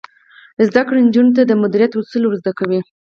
زده کړه نجونو ته د مدیریت اصول ور زده کوي.